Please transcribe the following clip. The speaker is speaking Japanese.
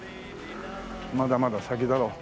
まだまだ先だろう。